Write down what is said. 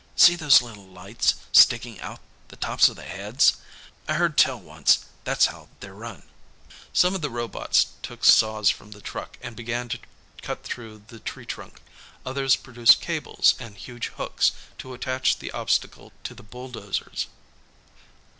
"See those little lights stickin' out the tops o' their heads? I heard tell, once, that's how they're run." Some of the robots took saws from the truck and began to cut through the tree trunk. Others produced cables and huge hooks to attach the obstacle to the bulldozers.